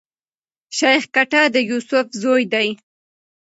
شېخ ګټه د يوسف زوی دﺉ.